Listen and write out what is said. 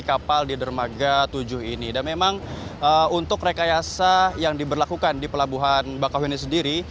kapal di dermaga tujuh ini dan memang untuk rekayasa yang diberlakukan di pelabuhan bakauheni sendiri